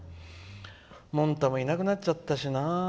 もんたもいなくなっちゃったしな。